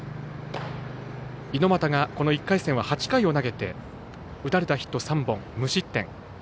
猪俣が、１回戦は８回を投げて打たれたヒット３本、無失点。